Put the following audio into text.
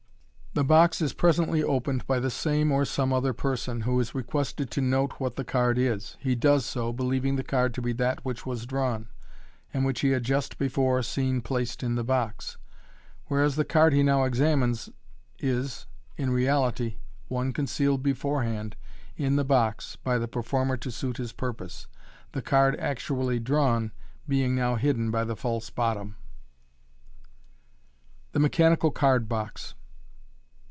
The box is presently opened by the same or some other person, who is requested to note what the MODERN MAGIC m card is. He does so, believing the card to be that which was drawn, and which he had just before seen plactd in the box; whereas the card he now examines is, in reality, one concealed beforehand in the box by the performer to suit his purpose, the card actually drawn being now hidden by the false bottom. The Mechanical Card box.